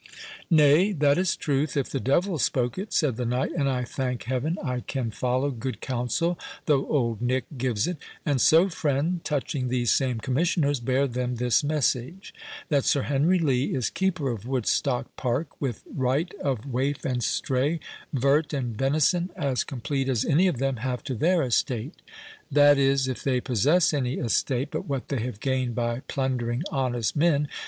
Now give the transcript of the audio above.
"Nay, that is truth, if the devil spoke it," said the knight; "and I thank Heaven I can follow good counsel, though old Nick gives it. And so, friend, touching these same Commissioners, bear them this message; that Sir Henry Lee is keeper of Woodstock Park, with right of waif and stray, vert and venison, as complete as any of them have to their estate—that is, if they possess any estate but what they have gained by plundering honest men.